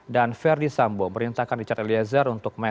dan ferry sambo perintahkan richard lezer untuk mesra